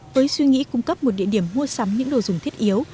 với suy nghĩ cung cấp một địa điểm mua sắm những đồ dùng thiết yếu